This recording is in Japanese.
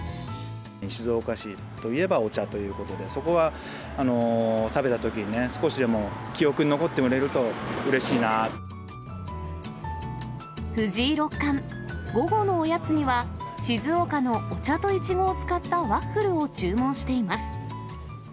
静岡市といえばお茶ということで、そこが食べたときにね、少しでも記憶に残ってもらえるとうれしい藤井六冠、午後のおやつには静岡のお茶といちごを使ったワッフルを注文しています。